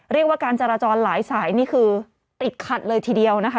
การจราจรหลายสายนี่คือติดขัดเลยทีเดียวนะคะ